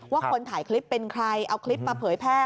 คนถ่ายคลิปเป็นใครเอาคลิปมาเผยแพร่